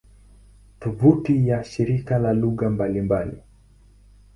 Tovuti ya shirika kwa lugha mbalimbali